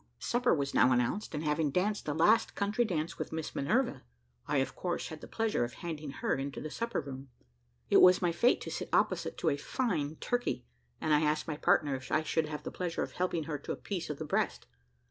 Supper was now announced, and having danced the last country dance with Miss Minerva, I of course had the pleasure of handing her into the supper room. It was my fate to sit opposite to a fine turkey, and I asked my partner if I should have the pleasure of helping her to a piece of the breast.